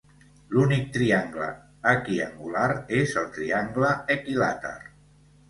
L'únic triangle equiangular és el triangle equilàter.